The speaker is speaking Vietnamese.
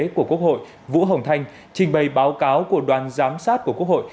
của quốc hội vũ hồng thanh trình bày báo cáo của đoàn giám sát của quốc hội